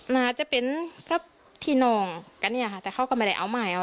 น่าจะเป็นที่นองกันแต่เขาก็ไม่ได้เอาใหม่